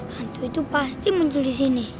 hantu itu pasti muncul di sini